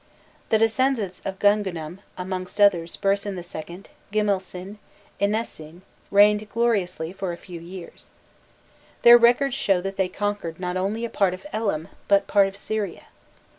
The descendants of Gungunum, amongst others Bursin II., Gimilsin, Inesin, reigned gloriously for a few years. Their records show that they conquered not only a part of Elam, but part of Syria.